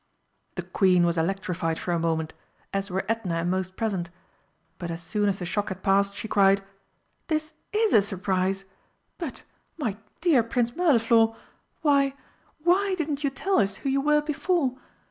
The Queen was electrified for a moment, as were Edna and most present. But as soon as the shock had passed she cried: "This is a surprise! But, my dear Prince Mirliflor, why why didn't you tell us who you were before?